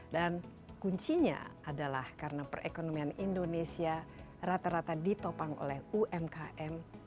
dan kuncinya adalah karena perekonomian indonesia rata rata ditopang oleh umkm